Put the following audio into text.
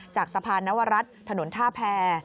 จากสะพานนวรัฐถนนท่าแพร